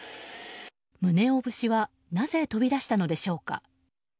宗男節はなぜ飛び出したのでしょうか。